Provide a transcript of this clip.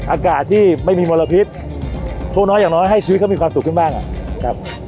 อากาศที่ไม่มีมลพิษพวกน้อยอย่างน้อยให้ชีวิตเขามีความสุขขึ้นบ้างอ่ะครับ